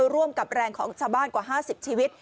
ร่วมกับแรงของชาวบ้านกว่า๕๐ชีวิต